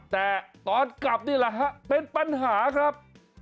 แต่ตอนกลับนี่แหละฮะเป็นปัญหาครับ